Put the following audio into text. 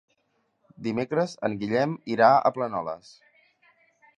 Dimecres en Guillem irà a Planoles.